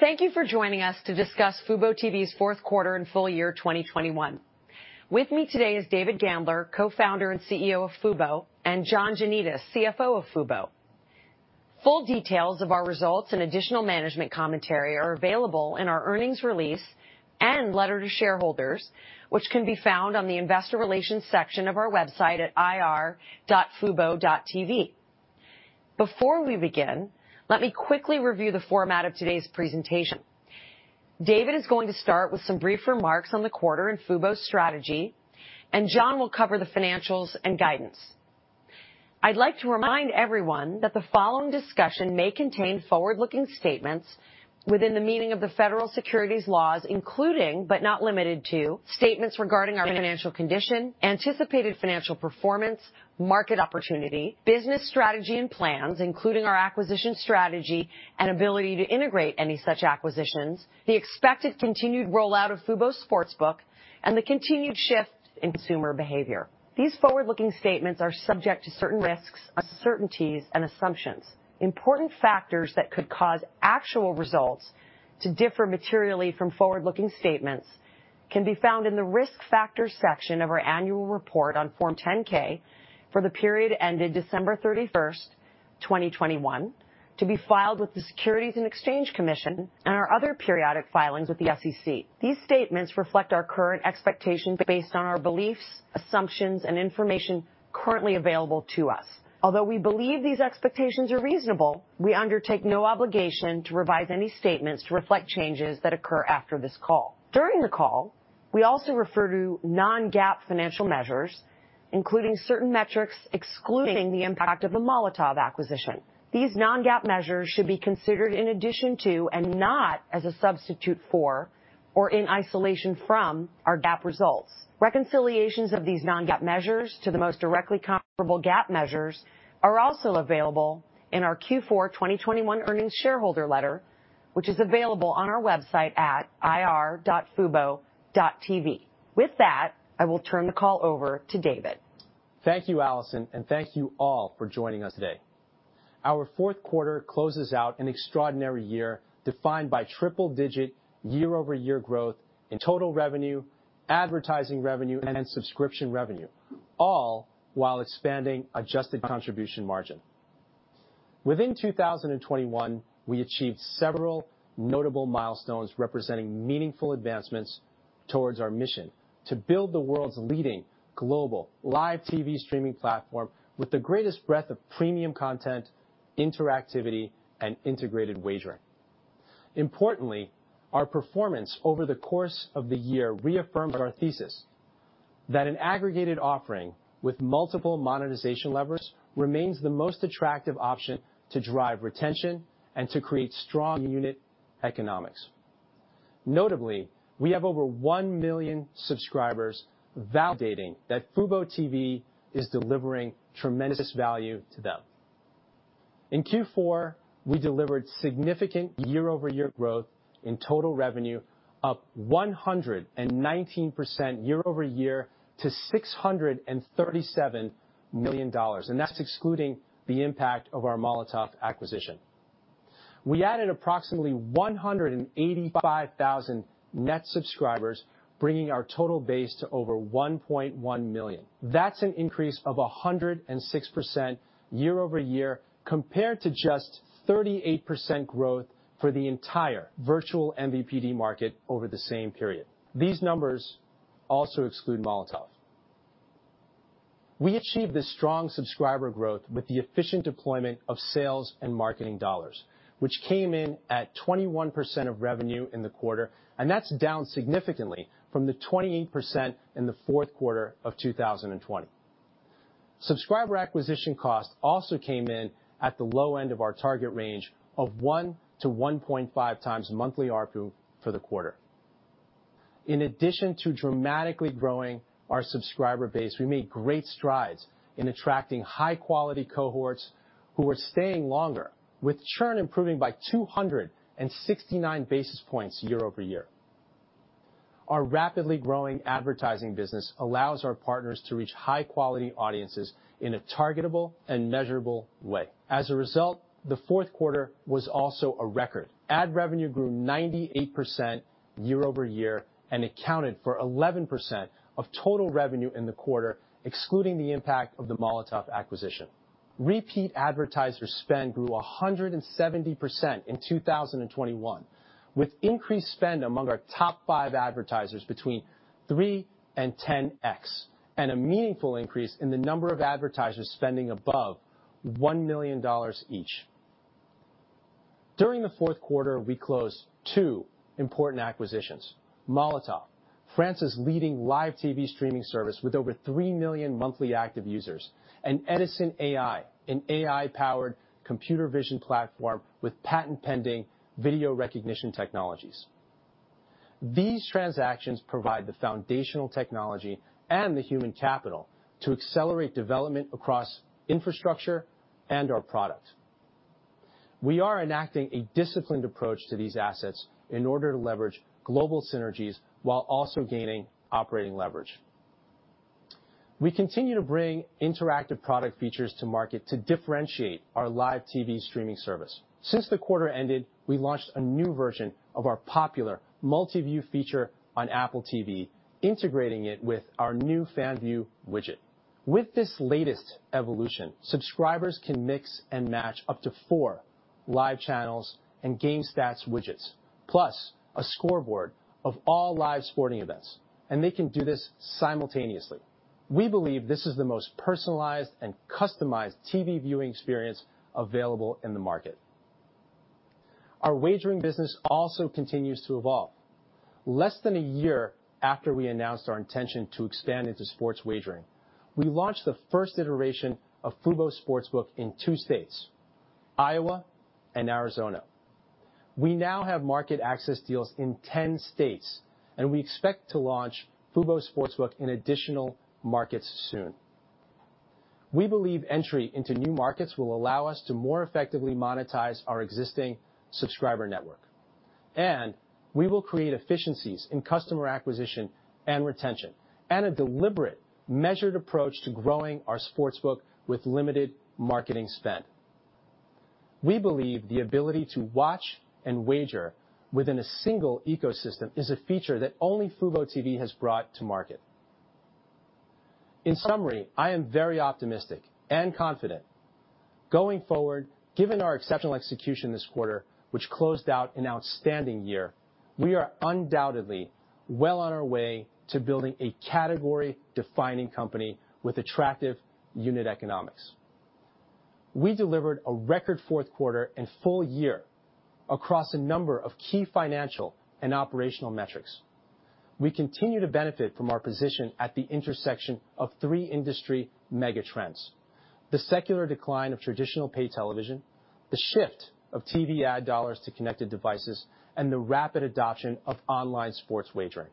Thank you for joining us to discuss fuboTV's fourth quarter and full year 2021. With me today is David Gandler, Co-Founder and CEO of fubo, and John Janedis, CFO of fubo. Full details of our results and additional management commentary are available in our earnings release and letter to shareholders, which can be found on the investor relations section of our website at ir.fubo.tv. Before we begin, let me quickly review the format of today's presentation. David is going to start with some brief remarks on the quarter and fubo's strategy, and John will cover the financials and guidance. I'd like to remind everyone that the following discussion may contain forward-looking statements within the meaning of the federal securities laws, including, but not limited to, statements regarding our financial condition, anticipated financial performance, market opportunity, business strategy and plans, including our acquisition strategy and ability to integrate any such acquisitions, the expected continued rollout of fubo Sportsbook, and the continued shift in consumer behavior. These forward-looking statements are subject to certain risks, uncertainties, and assumptions. Important factors that could cause actual results to differ materially from forward-looking statements can be found in the Risk Factors section of our annual report on Form 10-K for the period ended December 31st, 2021, to be filed with the Securities and Exchange Commission and our other periodic filings with the SEC. These statements reflect our current expectations based on our beliefs, assumptions, and information currently available to us. Although we believe these expectations are reasonable, we undertake no obligation to revise any statements to reflect changes that occur after this call. During the call, we also refer to non-GAAP financial measures, including certain metrics excluding the impact of the Molotov acquisition. These non-GAAP measures should be considered in addition to and not as a substitute for or in isolation from our GAAP results. Reconciliations of these non-GAAP measures to the most directly comparable GAAP measures are also available in our Q4 2021 earnings shareholder letter, which is available on our website at ir.fubo.tv. With that, I will turn the call over to David. Thank you, Alison, and thank you all for joining us today. Our fourth quarter closes out an extraordinary year defined by triple-digit year-over-year growth in total revenue, advertising revenue, and subscription revenue, all while expanding adjusted contribution margin. In 2021, we achieved several notable milestones representing meaningful advancements towards our mission to build the world's leading global live TV streaming platform with the greatest breadth of premium content, interactivity, and integrated wagering. Importantly, our performance over the course of the year reaffirmed our thesis that an aggregated offering with multiple monetization levers remains the most attractive option to drive retention and to create strong unit economics. Notably, we have over 1 million subscribers validating that fuboTV is delivering tremendous value to them. In Q4, we delivered significant year-over-year growth in total revenue, up 119% year-over-year to $637 million, and that's excluding the impact of our Molotov acquisition. We added approximately 185,000 net subscribers, bringing our total base to over 1.1 million. That's an increase of 106% year-over-year compared to just 38% growth for the entire virtual MVPD market over the same period. These numbers also exclude Molotov. We achieved this strong subscriber growth with the efficient deployment of sales and marketing dollars, which came in at 21% of revenue in the quarter, and that's down significantly from the 28% in the fourth quarter of 2020. Subscriber acquisition cost also came in at the low end of our target range of 1x-1.5x monthly ARPU for the quarter. In addition to dramatically growing our subscriber base, we made great strides in attracting high quality cohorts who are staying longer, with churn improving by 269 basis points year-over-year. Our rapidly growing advertising business allows our partners to reach high quality audiences in a targetable and measurable way. As a result, the fourth quarter was also a record. Ad revenue grew 98% year-over-year and accounted for 11% of total revenue in the quarter, excluding the impact of the Molotov acquisition. Repeat advertiser spend grew 170% in 2021, with increased spend among our top five advertisers between 3x and 10x, and a meaningful increase in the number of advertisers spending above $1 million each. During the fourth quarter, we closed two important acquisitions, Molotov, France's leading live TV streaming service with over 3 million monthly active users, and Edisn.ai, an AI-powered computer vision platform with patent-pending video recognition technologies. These transactions provide the foundational technology and the human capital to accelerate development across infrastructure and our product. We are enacting a disciplined approach to these assets in order to leverage global synergies while also gaining operating leverage. We continue to bring interactive product features to market to differentiate our live TV streaming service. Since the quarter ended, we launched a new version of our popular Multiview feature on Apple TV, integrating it with our new FanView widget. With this latest evolution, subscribers can mix and match up to four live channels and game stats widgets, plus a scoreboard of all live sporting events, and they can do this simultaneously. We believe this is the most personalized and customized TV viewing experience available in the market. Our wagering business also continues to evolve. Less than a year after we announced our intention to expand into sports wagering, we launched the first iteration of fubo Sportsbook in two states, Iowa and Arizona. We now have market access deals in 10 states, and we expect to launch fubo Sportsbook in additional markets soon. We believe entry into new markets will allow us to more effectively monetize our existing subscriber network, and we will create efficiencies in customer acquisition and retention, and a deliberate, measured approach to growing our Sportsbook with limited marketing spend. We believe the ability to watch and wager within a single ecosystem is a feature that only fuboTV has brought to market. In summary, I am very optimistic and confident. Going forward, given our exceptional execution this quarter, which closed out an outstanding year, we are undoubtedly well on our way to building a category-defining company with attractive unit economics. We delivered a record fourth quarter and full year across a number of key financial and operational metrics. We continue to benefit from our position at the intersection of three industry mega trends, the secular decline of traditional paid television, the shift of TV ad dollars to connected devices, and the rapid adoption of online sports wagering.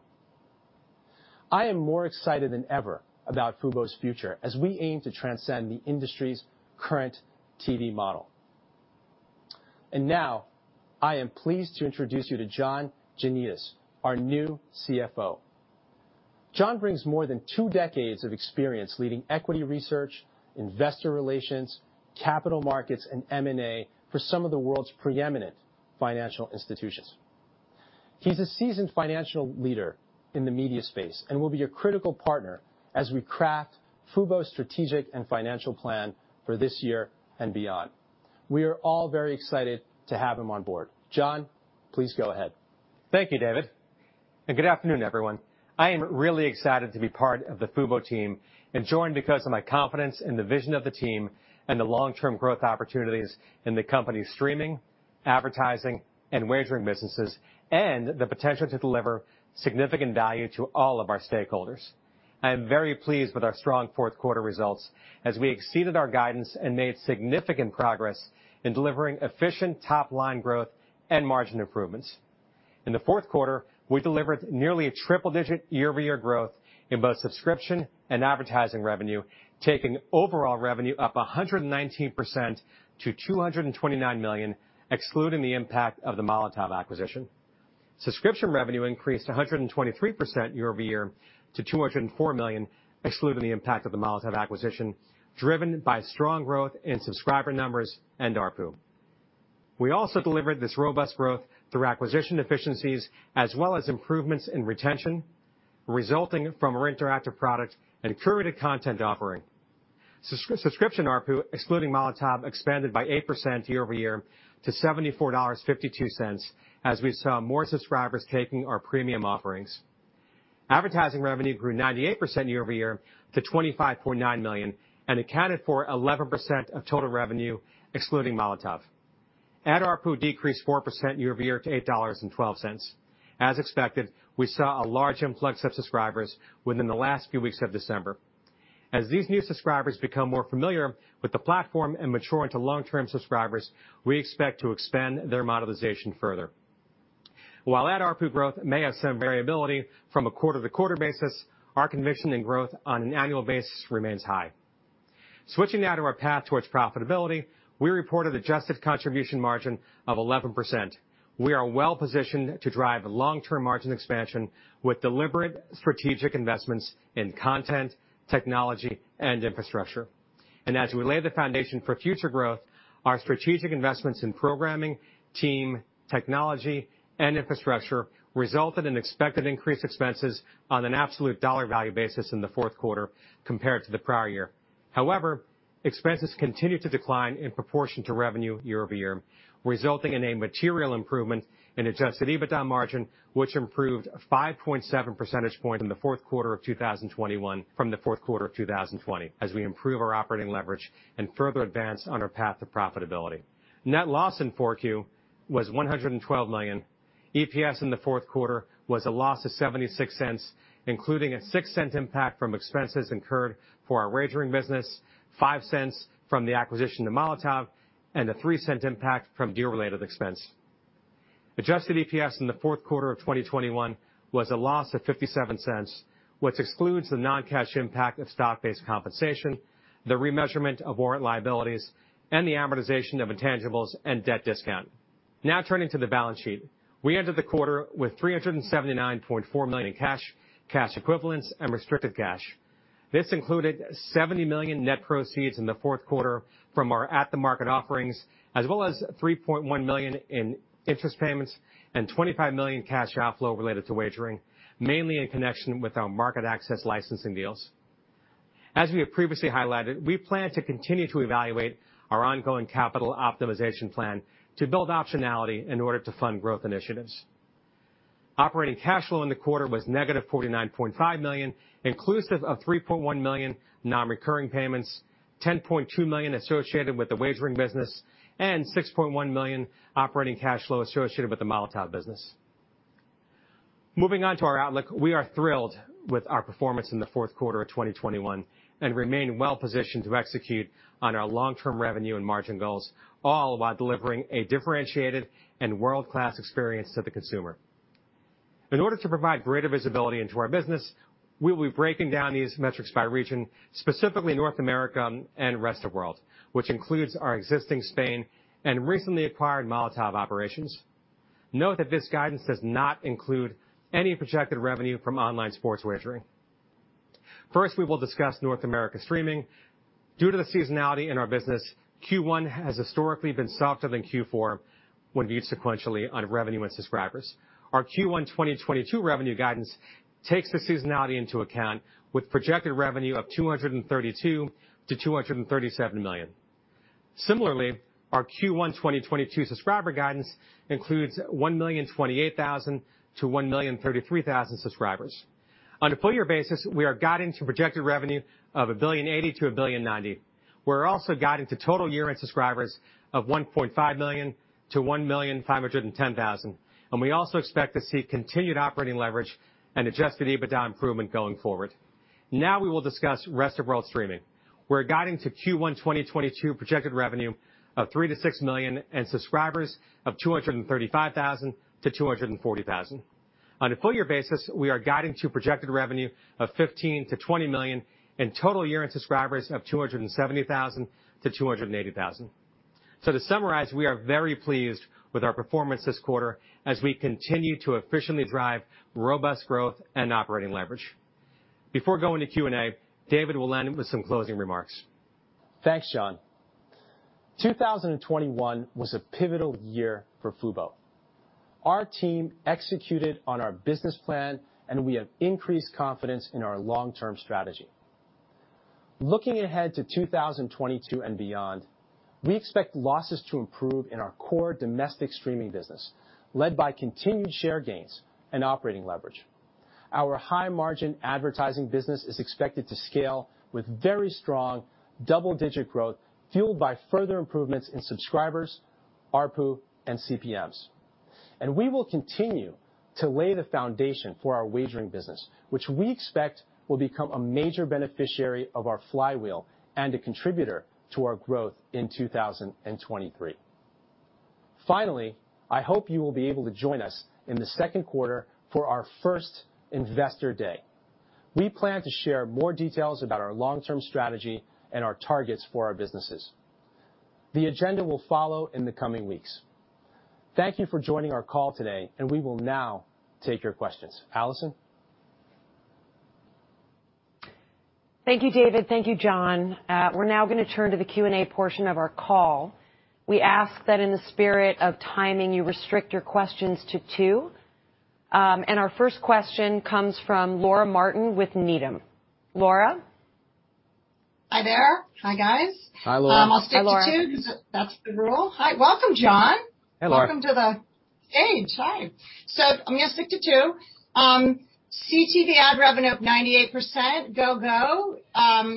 I am more excited than ever about fubo's future as we aim to transcend the industry's current TV model. Now I am pleased to introduce you to John Janedis, our new CFO. John brings more than two decades of experience leading equity research, investor relations, capital markets, and M&A for some of the world's preeminent financial institutions. He's a seasoned financial leader in the media space and will be a critical partner as we craft fubo's strategic and financial plan for this year and beyond. We are all very excited to have him on board. John, please go ahead. Thank you, David, and good afternoon, everyone. I am really excited to be part of the fubo team and joined because of my confidence in the vision of the team and the long-term growth opportunities in the company's streaming, advertising, and wagering businesses, and the potential to deliver significant value to all of our stakeholders. I am very pleased with our strong fourth quarter results as we exceeded our guidance and made significant progress in delivering efficient top-line growth and margin improvements. In the fourth quarter, we delivered nearly a triple-digit year-over-year growth in both subscription and advertising revenue, taking overall revenue up 119% to $229 million, excluding the impact of the Molotov acquisition. Subscription revenue increased 123% year-over-year to $204 million, excluding the impact of the Molotov acquisition, driven by strong growth in subscriber numbers and ARPU. We also delivered this robust growth through acquisition efficiencies as well as improvements in retention resulting from our interactive product and curated content offering. Subscription ARPU, excluding Molotov, expanded by 8% year-over-year to $74.52 as we saw more subscribers taking our premium offerings. Advertising revenue grew 98% year-over-year to $25.9 million and accounted for 11% of total revenue excluding Molotov. Ad ARPU decreased 4% year-over-year to $8.12. As expected, we saw a large influx of subscribers within the last few weeks of December. As these new subscribers become more familiar with the platform and mature into long-term subscribers, we expect to expand their monetization further. While ad ARPU growth may have some variability from a quarter-to-quarter basis, our conviction in growth on an annual basis remains high. Switching now to our path towards profitability, we reported adjusted contribution margin of 11%. We are well-positioned to drive long-term margin expansion with deliberate strategic investments in content, technology, and infrastructure. As we lay the foundation for future growth, our strategic investments in programming, team, technology, and infrastructure resulted in expected increased expenses on an absolute dollar value basis in the fourth quarter compared to the prior year. However, expenses continued to decline in proportion to revenue year-over-year, resulting in a material improvement in adjusted EBITDA margin, which improved 5.7 percentage points in the fourth quarter of 2021 from the fourth quarter of 2020 as we improve our operating leverage and further advance on our path to profitability. Net loss in Q4 was $112 million. EPS in the fourth quarter was a loss of $0.76, including a $0.06 impact from expenses incurred for our wagering business, $0.05 from the acquisition of Molotov, and a $0.03 impact from deal-related expense. Adjusted EPS in the fourth quarter of 2021 was a loss of $0.57, which excludes the non-cash impact of stock-based compensation, the remeasurement of warrant liabilities, and the amortization of intangibles and debt discount. Now turning to the balance sheet. We entered the quarter with $379.4 million in cash equivalents, and restricted cash. This included $70 million net proceeds in the fourth quarter from our at-the-market offerings, as well as $3.1 million in interest payments and $25 million cash outflow related to wagering, mainly in connection with our market access licensing deals. As we have previously highlighted, we plan to continue to evaluate our ongoing capital optimization plan to build optionality in order to fund growth initiatives. Operating cash flow in the quarter was -$49.5 million, inclusive of $3.1 million non-recurring payments, $10.2 million associated with the wagering business, and $6.1 million operating cash flow associated with the Molotov business. Moving on to our outlook. We are thrilled with our performance in the fourth quarter of 2021 and remain well-positioned to execute on our long-term revenue and margin goals, all while delivering a differentiated and world-class experience to the consumer. In order to provide greater visibility into our business, we'll be breaking down these metrics by region, specifically North America and rest of world, which includes our existing Spain and recently acquired Molotov operations. Note that this guidance does not include any projected revenue from online sports wagering. First, we will discuss North America streaming. Due to the seasonality in our business, Q1 has historically been softer than Q4 when viewed sequentially on revenue and subscribers. Our Q1 2022 revenue guidance takes the seasonality into account with projected revenue of $232 million-$237 million. Similarly, our Q1 2022 subscriber guidance includes 1,028,000-1,033,000 subscribers. On a full year basis, we are guiding to projected revenue of $1.08 billion-$1.09 billion. We're also guiding to total year-end subscribers of 1.5 million-1.51 million, and we also expect to see continued operating leverage and Adjusted EBITDA improvement going forward. Now we will discuss rest of world streaming. We're guiding to Q1 2022 projected revenue of $3 million-$6 million and subscribers of 235,000-240,000. On a full year basis, we are guiding to projected revenue of $15 million-$20 million and total year-end subscribers of 270,000-280,000. To summarize, we are very pleased with our performance this quarter as we continue to efficiently drive robust growth and operating leverage. Before going to Q&A, David will end with some closing remarks. Thanks, John. 2021 was a pivotal year for fubo. Our team executed on our business plan, and we have increased confidence in our long-term strategy. Looking ahead to 2022 and beyond, we expect losses to improve in our core domestic streaming business, led by continued share gains and operating leverage. Our high-margin advertising business is expected to scale with very strong double-digit growth, fueled by further improvements in subscribers, ARPU, and CPMs. We will continue to lay the foundation for our wagering business, which we expect will become a major beneficiary of our flywheel and a contributor to our growth in 2023. Finally, I hope you will be able to join us in the second quarter for our first Investor Day. We plan to share more details about our long-term strategy and our targets for our businesses. The agenda will follow in the coming weeks. Thank you for joining our call today, and we will now take your questions. Allison? Thank you, David. Thank you, John. We're now gonna turn to the Q&A portion of our call. We ask that in the spirit of timing, you restrict your questions to two. Our first question comes from Laura Martin with Needham. Laura? Hi there. Hi, guys. Hi, Laura. I'll stick to two. Hi, Laura. 'cause that's the rule. Hi. Welcome, John. Hello. Welcome to the stage. Hi. I'm gonna stick to two. CTV ad revenue up 98%.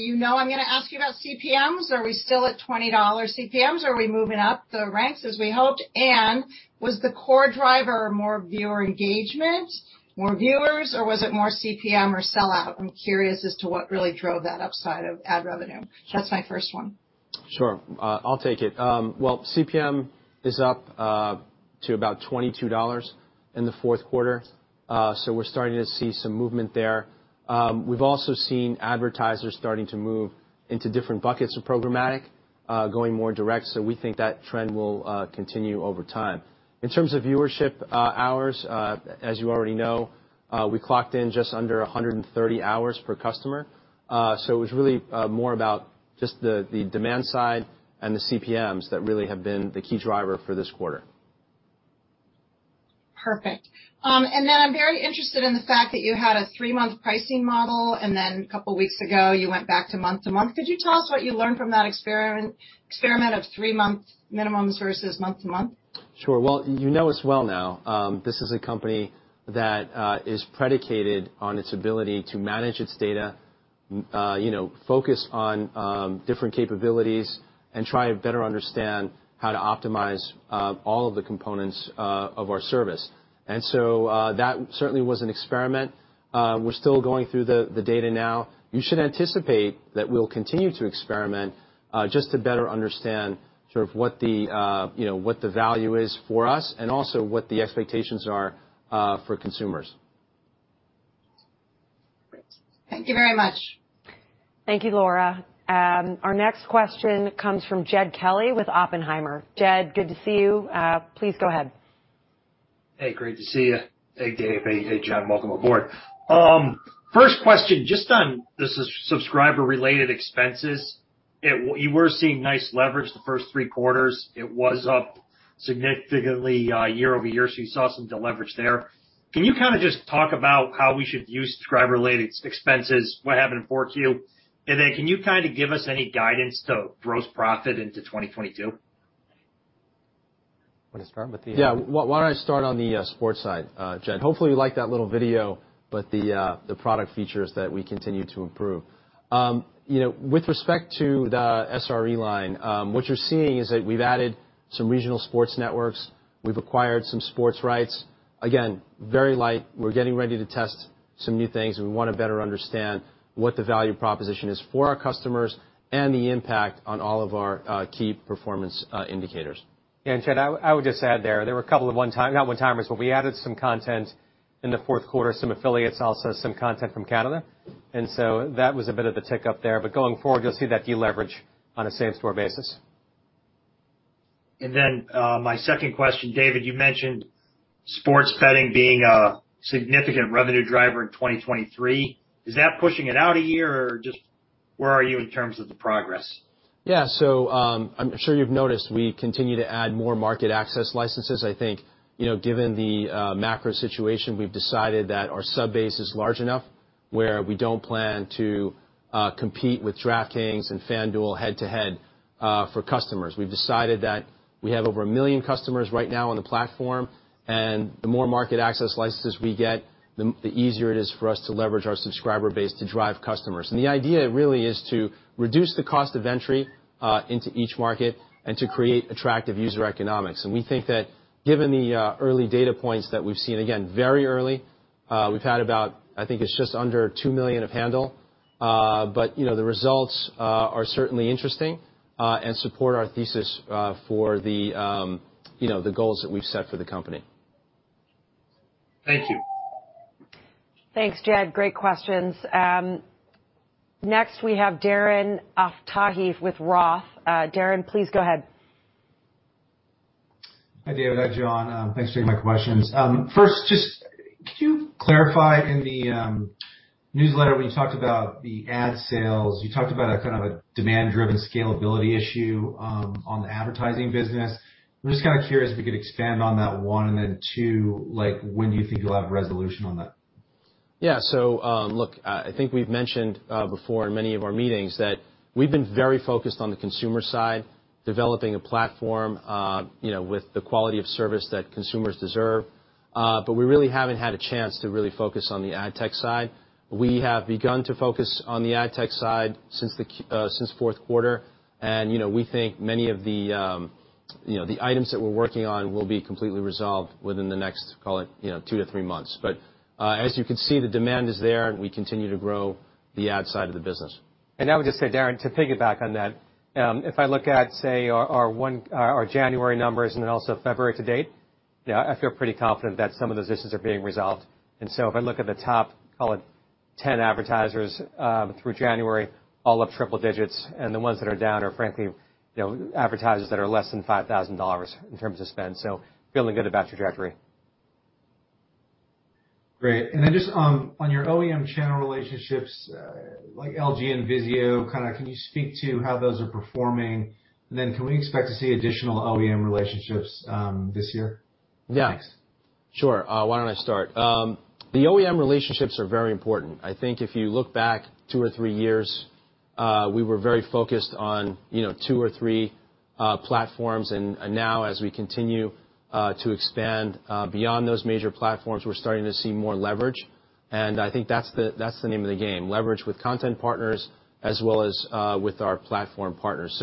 You know, I'm gonna ask you about CPMs. Are we still at $20 CPMs? Are we moving up the ranks as we hoped? Was the core driver more viewer engagement, more viewers, or was it more CPM or sellout? I'm curious as to what really drove that upside of ad revenue. That's my first one. Sure. I'll take it. Well, CPM is up to about $22 in the fourth quarter, so we're starting to see some movement there. We've also seen advertisers starting to move into different buckets of programmatic, going more direct, so we think that trend will continue over time. In terms of viewership hours, as you already know, we clocked in just under 130 hours per customer, so it was really more about just the demand side and the CPMs that really have been the key driver for this quarter. Perfect. I'm very interested in the fact that you had a three-month pricing model, and then a couple weeks ago, you went back to month-to-month. Could you tell us what you learned from that experiment of three months minimums versus month-to-month? Sure. Well, you know us well now. This is a company that is predicated on its ability to manage its data, you know, focus on different capabilities and try to better understand how to optimize all of the components of our service. That certainly was an experiment. We're still going through the data now. You should anticipate that we'll continue to experiment just to better understand sort of what the value is for us and also what the expectations are for consumers. Thank you very much. Thank you, Laura. Our next question comes from Jed Kelly with Oppenheimer. Jed, good to see you. Please go ahead. Hey, great to see you. Hey, David. Hey, John. Welcome aboard. First question, just on the subscriber related expenses, you were seeing nice leverage the first three quarters. It was up significantly year-over-year, so you saw some deleverage there. Can you kinda just talk about how we should view subscriber related expenses, what happened in 4Q? Then can you kinda give us any guidance to gross profit into 2022? Want to start with the- Yeah. Why don't I start on the sports side, Jed? Hopefully you like that little video about the product features that we continue to improve. You know, with respect to the SRE line, what you're seeing is that we've added some regional sports networks. We've acquired some sports rights. Again, very light. We're getting ready to test some new things, and we wanna better understand what the value proposition is for our customers and the impact on all of our key performance indicators. Jed, I would just add there were a couple of one time not one-timers, but we added some content in the fourth quarter, some affiliates, also some content from Canada. That was a bit of the tick up there. Going forward, you'll see that deleverage on a same-store basis. My second question, David, you mentioned sports betting being a significant revenue driver in 2023. Is that pushing it out a year or just where are you in terms of the progress? Yeah. I'm sure you've noticed we continue to add more market access licenses. I think, you know, given the macro situation, we've decided that our sub base is large enough where we don't plan to compete with DraftKings and FanDuel head to head for customers. We've decided that we have over 1 million customers right now on the platform, and the more market access licenses we get, the easier it is for us to leverage our subscriber base to drive customers. The idea really is to reduce the cost of entry into each market and to create attractive user economics. We think that given the early data points that we've seen, again, very early, we've had about I think it's just under 2 million of handle. You know, the results are certainly interesting and support our thesis for the, you know, the goals that we've set for the company. Thank you. Thanks, Jed. Great questions. Next we have Darren Aftahi with ROTH. Darren, please go ahead. Hi, David. Hi, John. Thanks for taking my questions. First, just can you clarify in the newsletter when you talked about the ad sales, you talked about a kind of a demand-driven scalability issue on the advertising business. I'm just kinda curious if you could expand on that, one, and then two, like when do you think you'll have resolution on that? Yeah. Look, I think we've mentioned before in many of our meetings that we've been very focused on the consumer side, developing a platform, you know, with the quality of service that consumers deserve. We really haven't had a chance to really focus on the ad tech side. We have begun to focus on the ad tech side since fourth quarter. You know, we think many of the, you know, the items that we're working on will be completely resolved within the next, call it, you know, two to three months. As you can see, the demand is there, and we continue to grow the ad side of the business. I would just say, Darren, to piggyback on that, if I look at, say, our January numbers and then also February to date, yeah, I feel pretty confident that some of those issues are being resolved. If I look at the top, call it, 10 advertisers, through January, all up triple digits, and the ones that are down are frankly, you know, advertisers that are less than $5,000 in terms of spend. Feeling good about trajectory. Great. Then just on your OEM channel relationships, like LG and Vizio, kinda can you speak to how those are performing? Then can we expect to see additional OEM relationships, this year? Yeah. Thanks. Sure. Why don't I start? The OEM relationships are very important. I think if you look back two or three years, we were very focused on, you know, two or three platforms. Now as we continue to expand beyond those major platforms, we're starting to see more leverage. I think that's the name of the game, leverage with content partners as well as with our platform partners.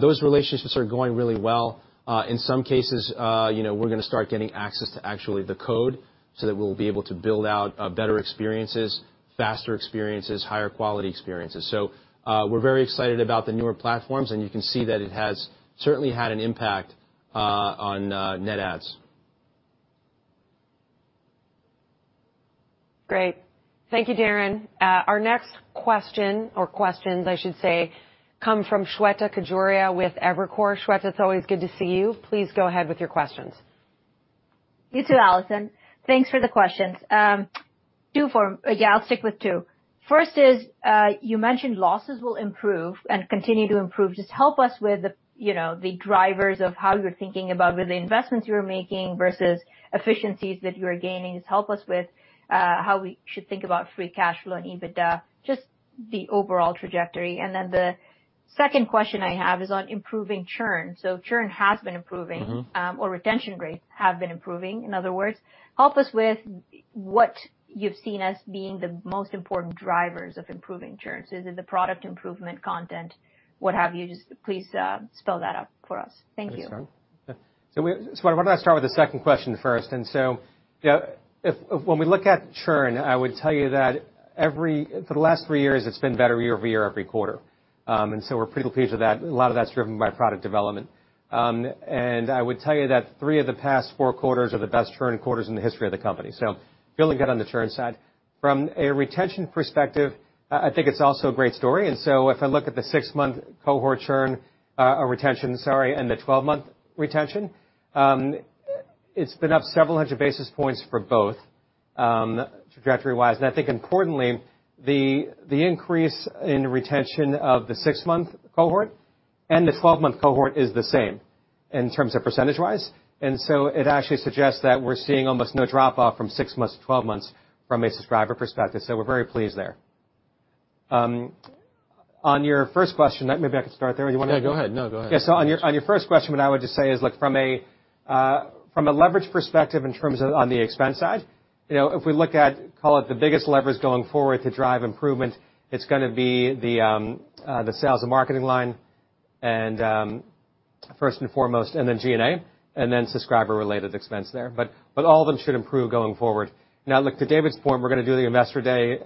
Those relationships are going really well. In some cases, you know, we're gonna start getting access to actually the code so that we'll be able to build out better experiences, faster experiences, higher quality experiences. We're very excited about the newer platforms, and you can see that it has certainly had an impact on net adds. Great. Thank you, Darren. Our next question or questions I should say, come from Shweta Khajuria with Evercore. Shweta, it's always good to see you. Please go ahead with your questions. You too, Allison. Thanks for the questions. First is, you mentioned losses will improve and continue to improve. Just help us with, you know, the drivers of how you're thinking about with the investments you're making versus efficiencies that you are gaining. Just help us with, how we should think about free cash flow and EBITDA, just the overall trajectory. Then the second question I have is on improving churn. Churn has been improving. Retention rates have been improving, in other words. Help us with what you've seen as being the most important drivers of improving churn. Is it the product improvement content, what have you? Just please, spell that out for us. Thank you. Want me to start? Yeah. Shweta, why don't I start with the second question first? You know, if, when we look at churn, I would tell you that every, for the last three years, it's been better year-over-year, every quarter. We're pretty pleased with that. A lot of that's driven by product development. I would tell you that three of the past four quarters are the best churn quarters in the history of the company. Feeling good on the churn side. From a retention perspective, I think it's also a great story. If I look at the six-month cohort churn, or retention, sorry, and the 12-month retention, it's been up several hundred basis points for both, trajectory-wise. I think importantly, the increase in retention of the six-month cohort and the 12-month cohort is the same in terms of percentage-wise. It actually suggests that we're seeing almost no drop-off from six months to 12 months from a subscriber perspective. We're very pleased there. On your first question, maybe I can start there. You wanna- Yeah, go ahead. No, go ahead. Yeah. On your first question, what I would just say is, look from a leverage perspective in terms of on the expense side, you know, if we look at call it the biggest levers going forward to drive improvement, it's gonna be the sales and marketing line and first and foremost, and then G&A, and then subscriber-related expense there. All of them should improve going forward. Now, look, to David's point, we're gonna do the Investor Day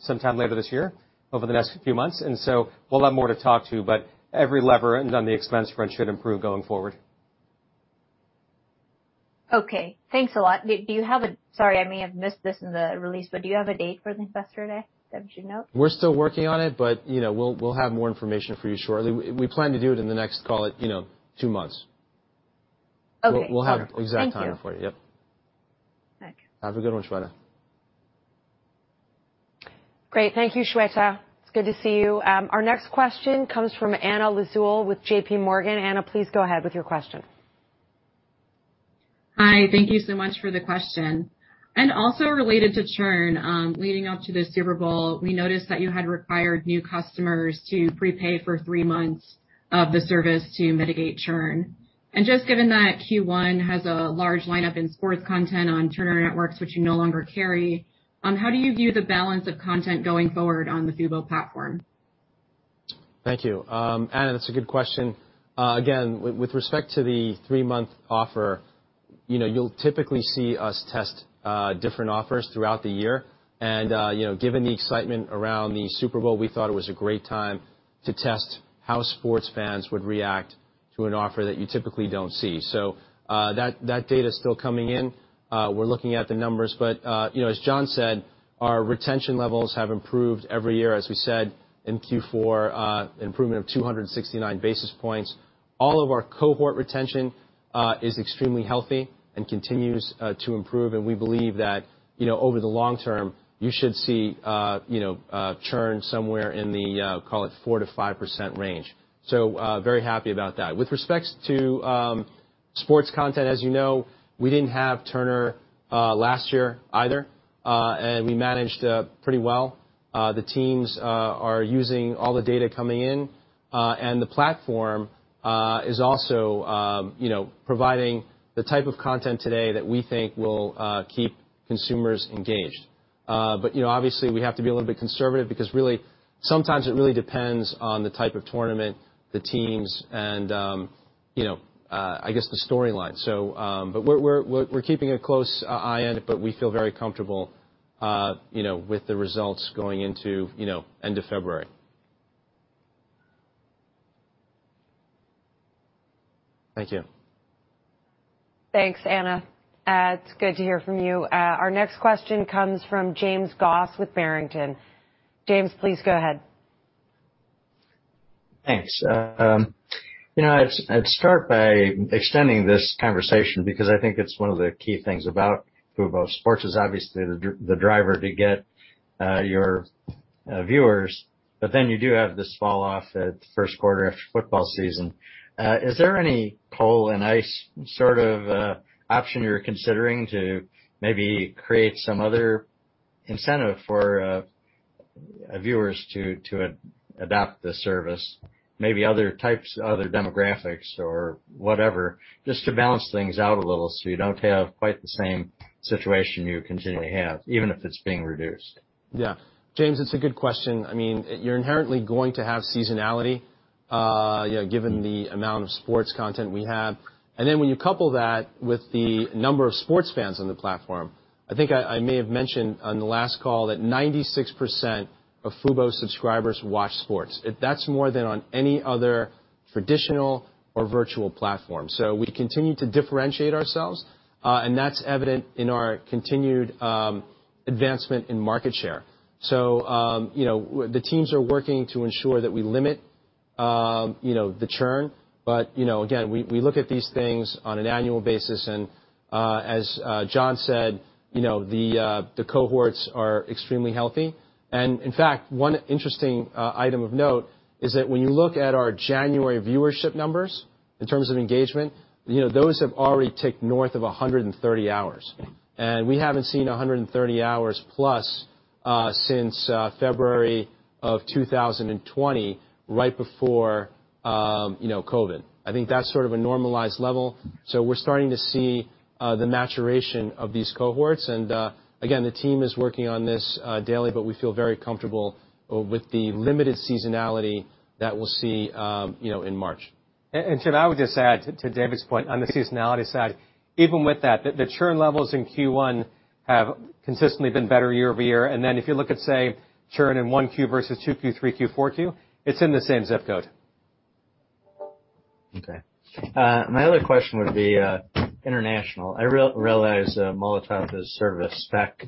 sometime later this year, over the next few months, and so we'll have more to talk about, but every lever on the expense front should improve going forward. Okay. Thanks a lot. Sorry, I may have missed this in the release, but do you have a date for the Investor Day that we should note? We're still working on it, but, you know, we'll have more information for you shortly. We plan to do it in the next, call it, you know, two months. Okay. We'll have exact timing for you. Thank you. Yep. Thanks. Have a good one, Shweta. Great. Thank you, Shweta. It's good to see you. Our next question comes from Anna Lizzul with JPMorgan. Anna, please go ahead with your question. Hi. Thank you so much for the question. Also related to churn, leading up to the Super Bowl, we noticed that you had required new customers to prepay for three months of the service to mitigate churn. Just given that Q1 has a large lineup in sports content on Turner networks, which you no longer carry, how do you view the balance of content going forward on the fubo platform? Thank you. Anna, that's a good question. Again, with respect to the three-month offer, you know, you'll typically see us test different offers throughout the year. You know, given the excitement around the Super Bowl, we thought it was a great time to test how sports fans would react to an offer that you typically don't see. That data is still coming in. We're looking at the numbers, but you know, as John said, our retention levels have improved every year, as we said in Q4, improvement of 269 basis points. All of our cohort retention is extremely healthy and continues to improve, and we believe that, you know, over the long term, you should see you know, churn somewhere in the call it 4%-5% range. Very happy about that. With respect to sports content, as you know, we didn't have Turner last year either, and we managed pretty well. The teams are using all the data coming in, and the platform is also, you know, providing the type of content today that we think will keep consumers engaged. But, you know, obviously we have to be a little bit conservative because really, sometimes it really depends on the type of tournament, the teams, and, you know, I guess the storyline. But we're keeping a close eye on it, but we feel very comfortable, you know, with the results going into, you know, end of February. Thank you. Thanks, Anna. It's good to hear from you. Our next question comes from James Goss with Barrington. James, please go ahead. Thanks. You know, I'd start by extending this conversation because I think it's one of the key things about fubo. Sports is obviously the driver to get your viewers, but then you do have this fall off at the first quarter after football season. Is there any pole in the ice sort of option you're considering to maybe create some other incentive for viewers to adopt the service? Maybe other types, other demographics or whatever, just to balance things out a little so you don't have quite the same situation you continually have, even if it's being reduced. Yeah. James, it's a good question. I mean, you're inherently going to have seasonality, you know, given the amount of sports content we have. When you couple that with the number of sports fans on the platform, I think I may have mentioned on the last call that 96% of fubo subscribers watch sports. That's more than on any other traditional or virtual platform. We continue to differentiate ourselves, and that's evident in our continued advancement in market share. You know, the teams are working to ensure that we limit the churn. You know, again, we look at these things on an annual basis. As John said, you know, the cohorts are extremely healthy. In fact, one interesting item of note is that when you look at our January viewership numbers in terms of engagement, you know, those have already ticked north of 130 hours. We haven't seen 130 hours+ since February 2020, right before COVID. I think that's sort of a normalized level. We're starting to see the maturation of these cohorts. Again, the team is working on this daily, but we feel very comfortable with the limited seasonality that we'll see, you know, in March. James, I would just add to David's point on the seasonality side, even with that, the churn levels in Q1. Have consistently been better year-over-year. Then if you look at, say, churn in 1Q versus 2Q, 3Q, 4Q, it's in the same zip code. Okay. My other question would be international. I realize Molotov is sort of a speck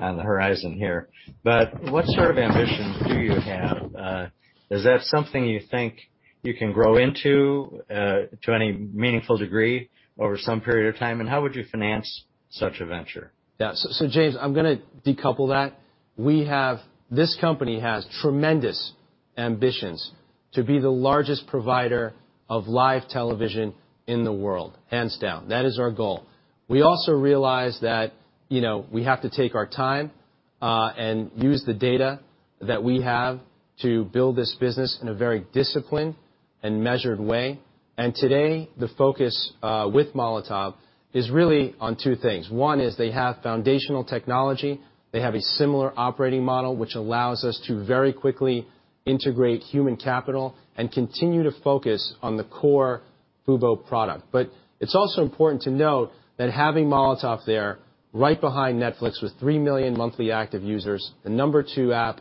on the horizon here, but what sort of ambition do you have? Is that something you think you can grow into to any meaningful degree over some period of time? How would you finance such a venture? Yeah. James, I'm gonna decouple that. We have. This company has tremendous ambitions to be the largest provider of live television in the world, hands down. That is our goal. We also realize that, you know, we have to take our time and use the data that we have to build this business in a very disciplined and measured way. Today, the focus with Molotov is really on two things. One is they have foundational technology. They have a similar operating model, which allows us to very quickly integrate human capital and continue to focus on the core fubo product. But it's also important to note that having Molotov there right behind Netflix with 3 million monthly active users, the number two app,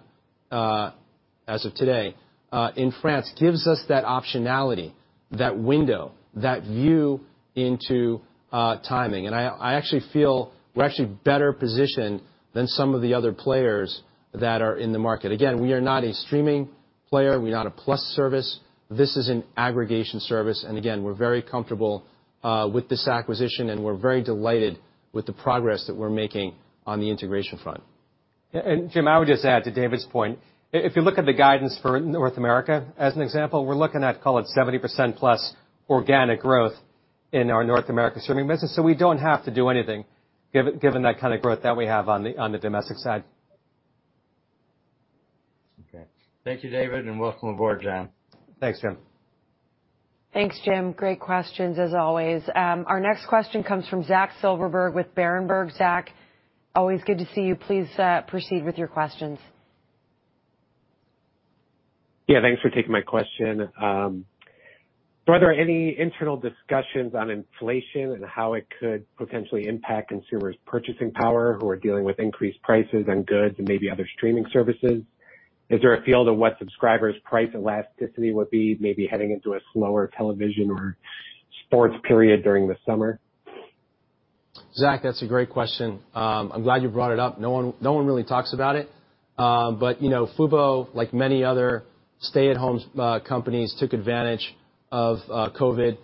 as of today, in France, gives us that optionality, that window, that view into timing. I actually feel we're actually better positioned than some of the other players that are in the market. Again, we are not a streaming player. We're not a plus service. This is an aggregation service. Again, we're very comfortable with this acquisition, and we're very delighted with the progress that we're making on the integration front. Jim, I would just add to David's point. If you look at the guidance for North America, as an example, we're looking at call it 70%+ organic growth in our North American streaming business. We don't have to do anything given that kind of growth that we have on the domestic side. Okay. Thank you, David, and welcome aboard, John. Thanks, Jim. Thanks, Jim. Great questions as always. Our next question comes from Zach Silverberg with Berenberg. Zach, always good to see you. Please, proceed with your questions. Yeah, thanks for taking my question. Were there any internal discussions on inflation and how it could potentially impact consumers' purchasing power who are dealing with increased prices on goods and maybe other streaming services? Is there a feel to what subscribers' price elasticity would be maybe heading into a slower television or sports period during the summer? Zach, that's a great question. I'm glad you brought it up. No one really talks about it. But you know, fubo, like many other stay-at-home companies, took advantage of COVID.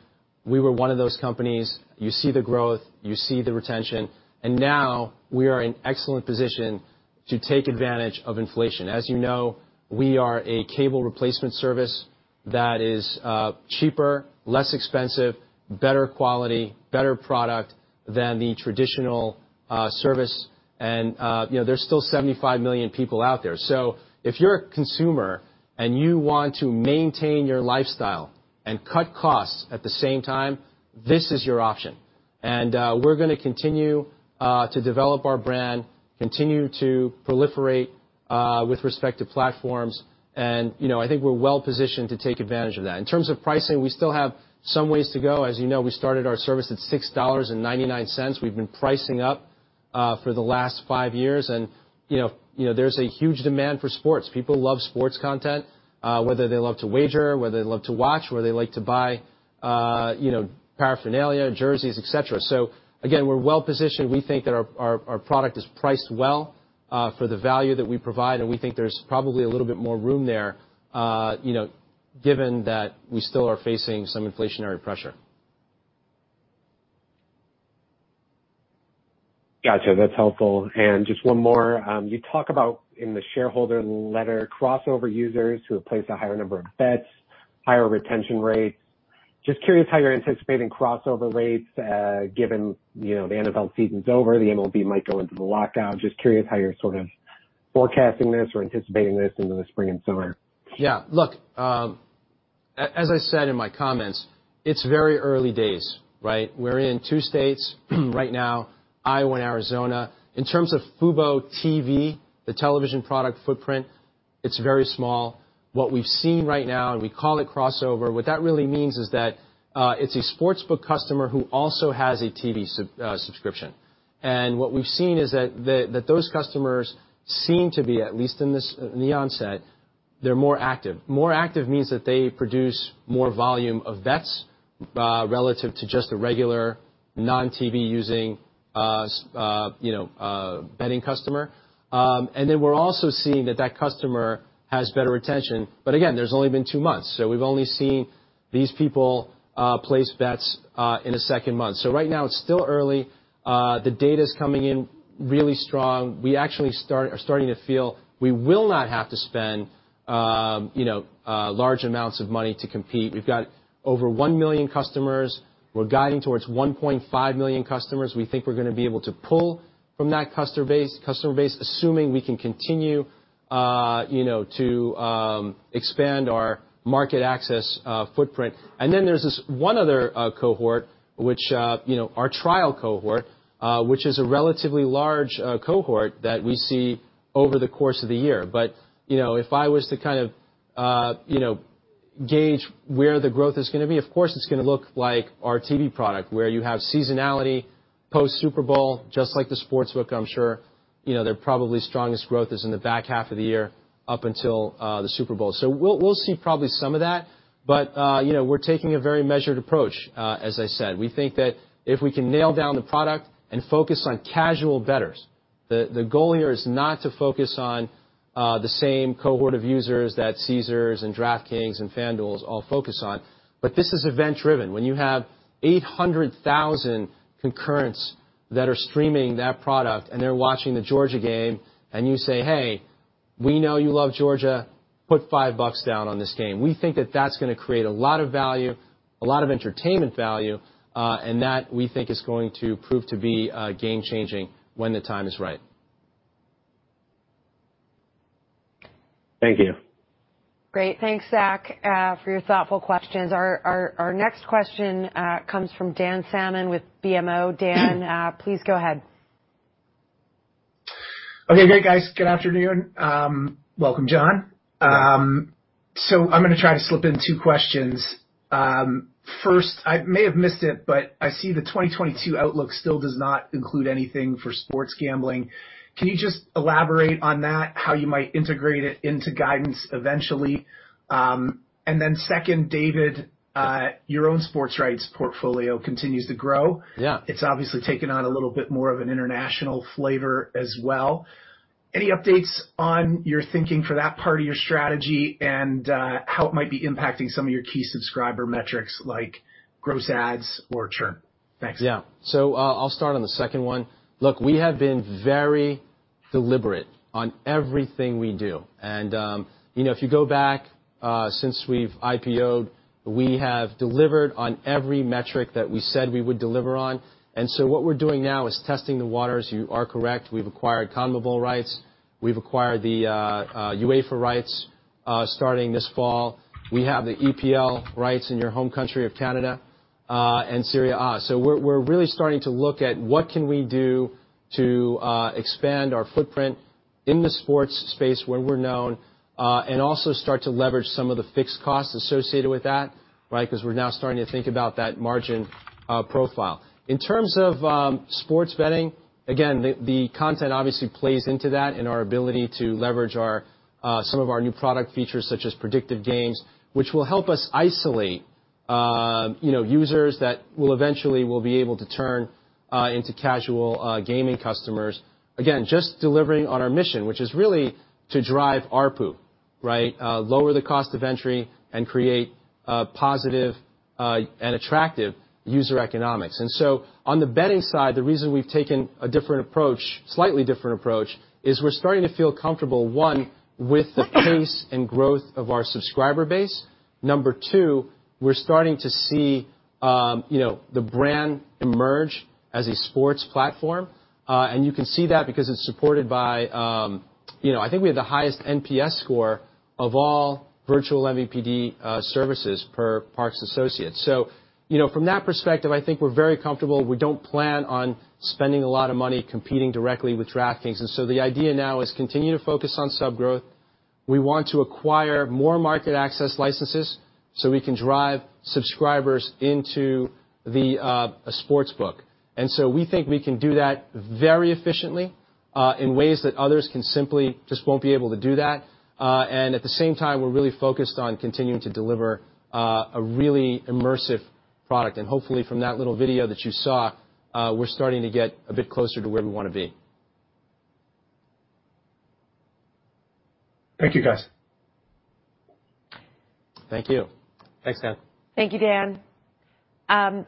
We were one of those companies. You see the growth, you see the retention, and now we are in excellent position to take advantage of inflation. As you know, we are a cable replacement service that is cheaper, less expensive, better quality, better product than the traditional service. You know, there's still 75 million people out there. So if you're a consumer and you want to maintain your lifestyle and cut costs at the same time, this is your option. We're gonna continue to develop our brand, continue to proliferate with respect to platforms. You know, I think we're well-positioned to take advantage of that. In terms of pricing, we still have some ways to go. As you know, we started our service at $6.99. We've been pricing up for the last five years. You know, there's a huge demand for sports. People love sports content, whether they love to wager, whether they love to watch, whether they like to buy, you know, paraphernalia, jerseys, et cetera. Again, we're well-positioned. We think that our product is priced well for the value that we provide, and we think there's probably a little bit more room there, you know, given that we still are facing some inflationary pressure. Gotcha. That's helpful. Just one more. You talk about in the shareholder letter crossover users who have placed a higher number of bets, higher retention rates. Just curious how you're anticipating crossover rates, given, you know, the NFL season's over, the MLB might go into the lockout. Just curious how you're sort of forecasting this or anticipating this into the spring and summer. Yeah. Look, as I said in my comments, it's very early days, right? We're in two states right now, Iowa and Arizona. In terms of fuboTV, the television product footprint, it's very small. What we've seen right now, and we call it crossover, what that really means is that it's a sports book customer who also has a TV subscription. What we've seen is that those customers seem to be, at least in the onset, they're more active. More active means that they produce more volume of bets relative to just a regular non-TV using you know betting customer. We're also seeing that customer has better retention. Again, there's only been two months, so we've only seen these people place bets in the second month. Right now it's still early. The data's coming in really strong. We actually are starting to feel we will not have to spend, you know, large amounts of money to compete. We've got over 1 million customers. We're guiding towards 1.5 million customers. We think we're gonna be able to pull from that customer base, assuming we can continue, you know, to expand our market access footprint. There's this one other cohort, which, you know, our trial cohort, which is a relatively large cohort that we see over the course of the year. You know, if I was to kind of gauge where the growth is gonna be. Of course, it's gonna look like our TV product, where you have seasonality post-Super Bowl, just like the sportsbook, I'm sure. You know, there probably strongest growth is in the back half of the year up until the Super Bowl. We'll see probably some of that. You know, we're taking a very measured approach, as I said. We think that if we can nail down the product and focus on casual bettors, the goal here is not to focus on the same cohort of users that Caesars and DraftKings and FanDuel all focus on. This is event-driven. When you have 800,000 concurrents that are streaming that product and they're watching the Georgia game and you say, "Hey, we know you love Georgia. Put $5 down on this game," we think that that's gonna create a lot of value, a lot of entertainment value, and that we think is going to prove to be game-changing when the time is right. Thank you. Great. Thanks, Zach, for your thoughtful questions. Our next question comes from Dan Salmon with BMO. Dan, please go ahead. Okay, great, guys. Good afternoon. Welcome, John. I'm gonna try to slip in two questions. First, I may have missed it, but I see the 2022 outlook still does not include anything for sports gambling. Can you just elaborate on that, how you might integrate it into guidance eventually? Second, David, your own sports rights portfolio continues to grow. Yeah. It's obviously taken on a little bit more of an international flavor as well. Any updates on your thinking for that part of your strategy and, how it might be impacting some of your key subscriber metrics like gross adds or churn? Thanks. Yeah. I'll start on the second one. Look, we have been very deliberate on everything we do. You know, if you go back since we've IPO'd, we have delivered on every metric that we said we would deliver on. What we're doing now is testing the waters. You are correct. We've acquired CONMEBOL rights. We've acquired the UEFA rights starting this fall. We have the EPL rights in your home country of Canada and Serie A. We're really starting to look at what can we do to expand our footprint in the sports space where we're known and also start to leverage some of the fixed costs associated with that, right? 'Cause we're now starting to think about that margin profile. In terms of sports betting, again, the content obviously plays into that and our ability to leverage some of our new product features, such as predictive games, which will help us isolate you know users that will eventually be able to turn into casual gaming customers. Again, just delivering on our mission, which is really to drive ARPU, right? Lower the cost of entry and create positive and attractive user economics. On the betting side, the reason we've taken a slightly different approach is we're starting to feel comfortable, one, with the pace and growth of our subscriber base. Number two, we're starting to see you know the brand emerge as a sports platform. You can see that because it's supported by, you know, I think we have the highest NPS score of all virtual MVPD services per Parks Associates. You know, from that perspective, I think we're very comfortable. We don't plan on spending a lot of money competing directly with DraftKings. The idea now is continue to focus on sub growth. We want to acquire more market access licenses, so we can drive subscribers into the a sports book. We think we can do that very efficiently in ways that others can simply just won't be able to do that. At the same time, we're really focused on continuing to deliver a really immersive product. Hopefully from that little video that you saw, we're starting to get a bit closer to where we wanna be. Thank you, guys. Thank you. Thanks, Dan. Thank you, Dan.